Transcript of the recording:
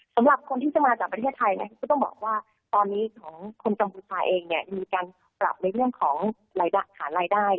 สำหรับคนที่จะมาจากประเทศไทยนะคะก็ต้องบอกว่าตอนนี้ของคนกัมพูชาเองเนี่ยมีการปรับในเรื่องของหารายได้